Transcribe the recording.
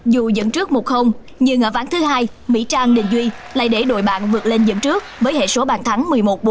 dù dẫn trước một nhưng ở ván thứ hai mỹ trang đình duy lại để đội bạn vượt lên dẫn trước với hệ số bàn thắng một mươi một bốn